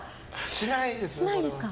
しないですか？